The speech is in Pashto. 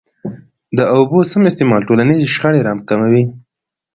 د اوبو سم استعمال ټولنیزي شخړي را کموي.